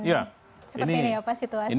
seperti ini ya pak situasinya